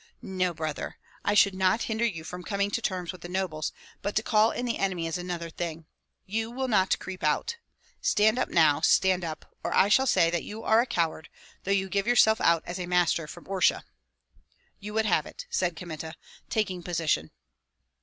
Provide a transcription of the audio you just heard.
No, brother, I should not hinder you from coming to terms with the nobles, but to call in the enemy is another thing. You will not creep out. Stand up now, stand up, or I shall say that you are a coward, though you give yourself out as a master from Orsha." "You would have it," said Kmita, taking position.